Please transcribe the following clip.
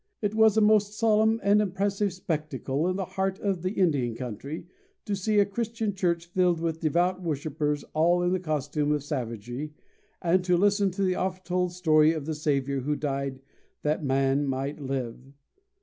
It was a most solemn and impressive spectacle, in the heart of the Indian country, to see a Christian church filled with devout worshippers all in the costume of savagery, and to listen to the oft told story of the Saviour who died that man might live.